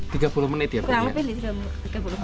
terlalu penuh tiga puluh menit